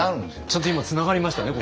ちゃんと今つながりましたね。